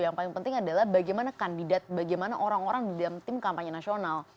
yang paling penting adalah bagaimana kandidat bagaimana orang orang di dalam tim kampanye nasional